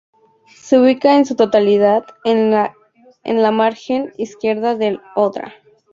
Se ubica en su totalidad en la margen izquierda del Odra.